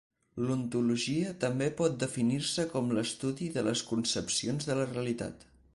L'ontologia també pot definir-se com l'estudi de les concepcions de la realitat.